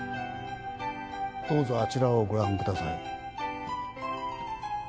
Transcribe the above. どうぞあちらをご覧ください。